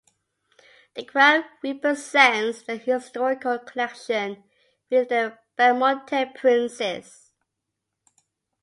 The crown represents the historical connection with the Belmonte Princes.